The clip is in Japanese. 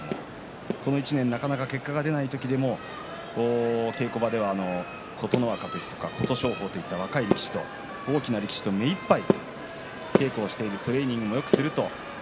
この１年なかなか結果が出ない時でも、稽古場では琴ノ若や琴勝峰といった若い力士と大きい力士と目いっぱい、稽古をしているトレーニングもすると。